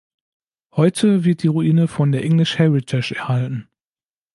Heute wird die Ruine von der English Heritage erhalten.